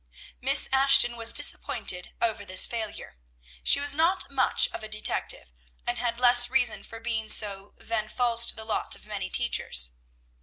Miss Ashton was disappointed over this failure. She was not much of a detective, and had less reason for being so than falls to the lot of many teachers.